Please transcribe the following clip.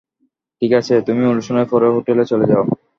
ঠিক আছে, তুমি অনুশীলনের পরে হোটেলে চলে যেও।